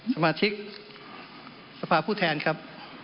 สมาชิกสภาพผู้แทนครับ